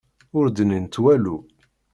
Ur d-nnint walu.